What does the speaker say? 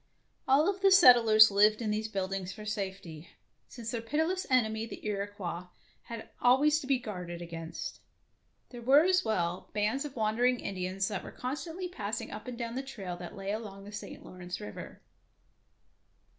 All the settlers lived in these 100 . DEFENCE OF CASTLE DANGEEOUS buildings for safety, since their pitiless enemy the Iroquois had always to be guarded against. There were as well bands of wandering Indians that were constantly passing up and down the trail that lay along the St. Lawrence River.